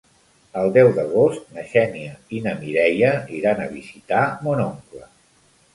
El deu d'agost na Xènia i na Mireia iran a visitar mon oncle.